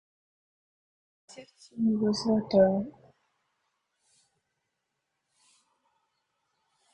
Сердце у него золотое.